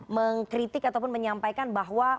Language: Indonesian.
mengkritik ataupun menyampaikan bahwa